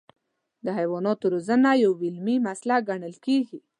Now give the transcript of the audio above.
د حیواناتو روزنه یو علمي مسلک ګڼل کېږي.